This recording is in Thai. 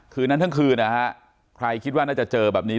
คืนนั้นทั้งคืนนะฮะใครคิดว่าน่าจะเจอแบบนี้